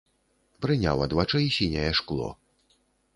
Прыняў ад вачэй сіняе шкло.